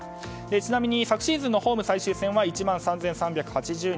ちなみに昨シーズンのホーム最終戦は１万３３８０人と。